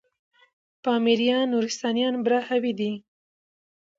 پامـــــیـــریــــان، نورســــتانــیان براهــــوی دی